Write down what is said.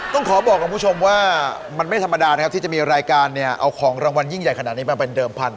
ต้องขอบอกกับคุณผู้ชมว่ามันไม่ธรรมดานะครับที่จะมีรายการเนี่ยเอาของรางวัลยิ่งใหญ่ขนาดนี้มาเป็นเดิมพันธ